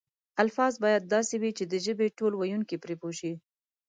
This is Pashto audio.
الفاظ باید داسې وي چې د ژبې ټول ویونکي پرې پوه شي.